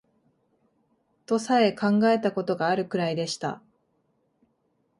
とさえ考えた事があるくらいでした